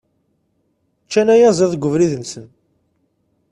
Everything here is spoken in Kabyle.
Ččan ayaziḍ deg ubrid-nsen.